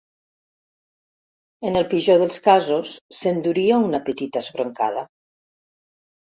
En el pitjor dels casos s'enduria una petita esbroncada.